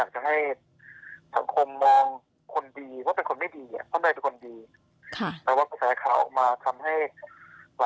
จนที่รู้สึกว่าเนี่ยตลอดก็ไม่ไหว